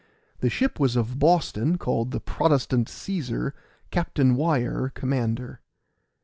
The ship was of Boston, called the Protestant Cæsar, Captain Wyar, commander.